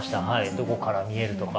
どこから見えるとか。